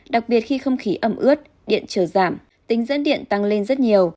đặc biệt khi không khí ấm ướt điện trở giảm tính dẫn điện tăng lên rất nhiều